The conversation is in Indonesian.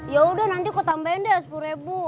yaudah nanti aku tambahin deh sepuluh ribu